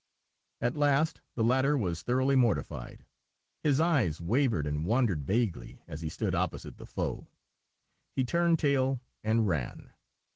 At last the latter was thoroughly mortified; his eyes wavered and wandered vaguely, as he stood opposite the foe; he turned tail and ran.